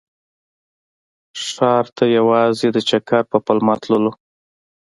ښار ته یوازې د چکر په پلمه تللو.